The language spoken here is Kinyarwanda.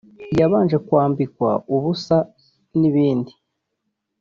iyabanje kwambikwa ubusa n’ibindi